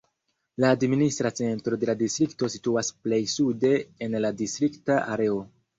La administra centro de la distrikto situas plej sude en la distrikta areo.